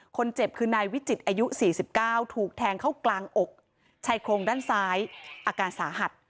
คนเจ็บคือนายวิจิตรอายุ๔๙ถูกแทงเข้ากลางอกชายโครงด้านซ้ายอาการสาหัส